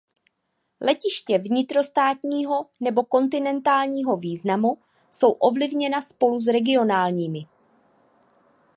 Letiště vnitrostátního nebo kontinentálního významu jsou ovlivněna spolu s regionálními.